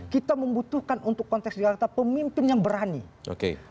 kita membutuhkan untuk konteks di kota pemimpin yang berani